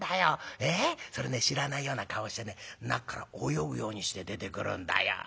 それね知らないような顔してね中から泳ぐようにして出てくるんだよ。